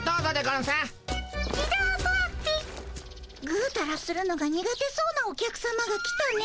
ぐーたらするのが苦手そうなお客さまが来たね。